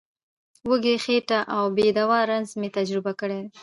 وږې خېټه او بې دوا رنځ مې تجربه کړی دی.